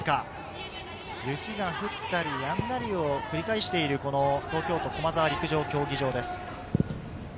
雪が降ったりやんだりを繰り返している駒沢陸上競技場です。